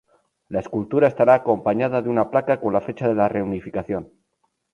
La escultura estará acompañada de una placa con la fecha de la reunificación.